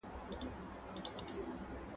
عاجزي غوره صفت دی.